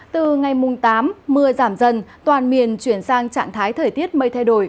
từ ngày mùng tám mưa giảm dần toàn miền chuyển sang trạng thái thời tiết mây thay đổi